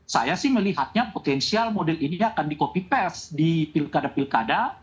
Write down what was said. saya sih melihatnya potensial model ini akan di copy paste di pilkada pilkada